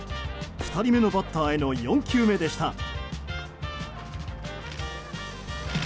２人目のバッターへの４球目でした。